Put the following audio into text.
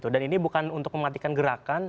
dan ini bukan untuk mematikan gerakan